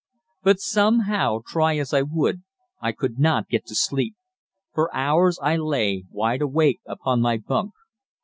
But somehow, try as I would, I could not get to sleep. For hours I lay wide awake upon my bunk.